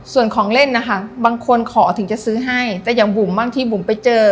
ส่วนของเล่นนะคะบางคนขอถึงจะซื้อให้แต่อย่างบุ๋มบางทีบุ๋มไปเจอ